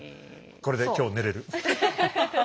これで今日寝れる。